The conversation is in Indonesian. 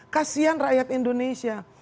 kasian rakyat indonesia